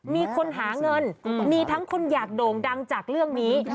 มีคนหาเงินมีทั้งคนอยากโด่งดังจากเรื่องนี้